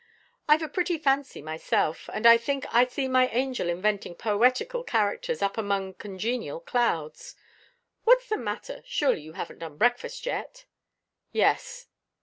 I've a pretty fancy, myself; and I think I see my angel inventing poetical characters, up among congenial clouds. What's the matter? Surely, you haven't done breakfast yet?" "Yes."